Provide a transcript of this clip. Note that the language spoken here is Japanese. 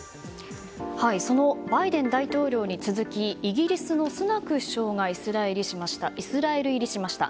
そのバイデン大統領に続きイギリスのスナク首相がイスラエル入りしました。